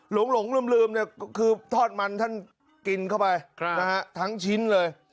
หลงลืมคือทอดมันท่านกินเข้าไปทั้งชิ้นเลย